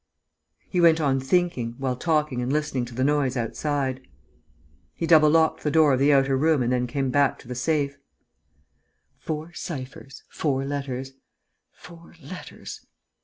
He went on thinking, while talking and listening to the noise outside. He double locked the door of the outer room and then came back to the safe: "Four ciphers.... Four letters ... four letters....